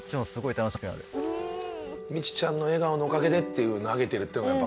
ミチちゃんの笑顔のおかげでっていう投げてるっていうのがやっぱ。